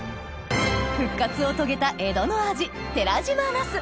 復活を遂げた江戸の味寺島ナス